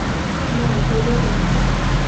না হইল কেন।